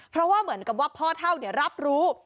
เพราะว่าเหมือนกับว่าพ่อเท่ารับรู้